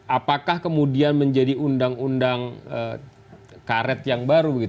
apakah kemudian menjadi undang undang karet yang baru